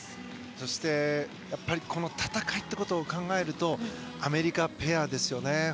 そして、やっぱり戦いってことを考えるとアメリカペアですよね。